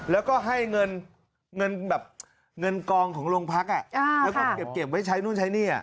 แล้วก็ให้เงินเงินแบบเงินกองของโรงพักแล้วก็เก็บไว้ใช้นู่นใช้หนี้